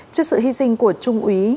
trước sự hy sinh của trung úy